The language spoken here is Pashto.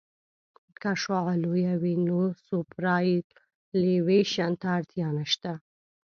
که شعاع لویه وي نو سوپرایلیویشن ته اړتیا نشته